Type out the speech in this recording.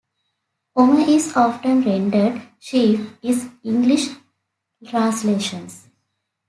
Omer is often rendered "sheaf" in English translations.